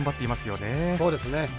そうですね。